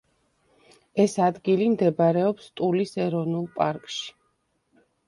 ეს ადგილი მდებარეობს ტულის ეროვნულ პარკში.